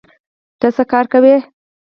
ته څه کار کوې؟